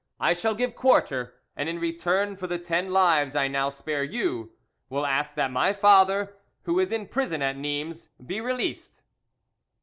I shall give quarter, and in return for the ten lives I now spare you, will ask that my father, who is in prison at Nimes, be released."